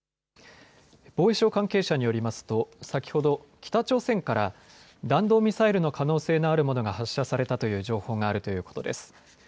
防衛省関係者によりますと、先ほど北朝鮮から弾道ミサイルの可能性のあるものが発射されたという情報があるということです。